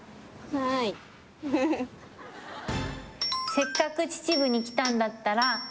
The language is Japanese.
「せっかく秩父に来たんだったら」